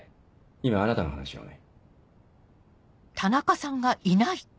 今あなたの話をね。